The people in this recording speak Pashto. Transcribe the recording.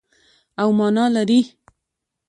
او مانا لري.